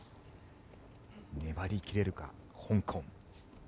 粘り切れるか、香港。